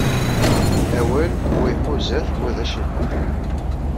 Awal, wa iḥuza-t, wa d acelqef.